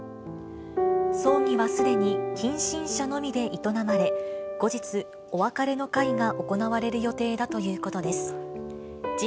葬儀はすでに近親者のみで営まれ、後日、お別れの会が行われる予定だということです。